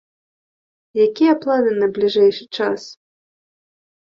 Якія планы на бліжэйшы час?